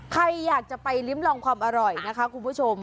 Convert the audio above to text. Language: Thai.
ใครอยากจะไปลิ้มลองความอร่อยนะคะคุณผู้ชม